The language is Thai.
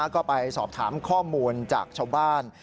ก็ไปสอบถามข้อมูลจากชาวบ้าน